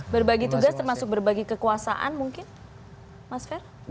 berbagi tugas termasuk berbagi kekuasaan mungkin mas fer